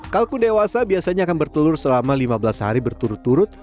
kalkun dewasa biasanya akan bertelur selama lima belas hari berturut turut